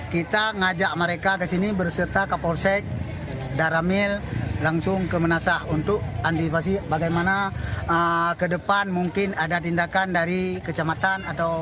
kita mengajak mereka ke sini berserta kapolsek dan ramil langsung ke manasah untuk antipasi bagaimana ke depan mungkin ada tindakan dari kecamatan